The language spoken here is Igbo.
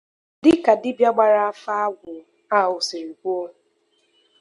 dịka dibịa gbara afa agwụ ahụ siri kwuo